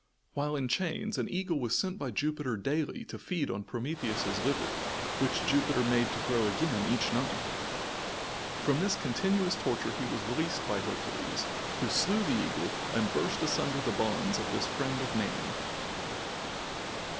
While in chains an eagle was sent by Jupiter daily to feed on Prometheus's liver, which Jupiter made to grow again each night. From this continuous torture he was released by Hercules, who slew the eagle and burst asunder the bonds of this friend of man.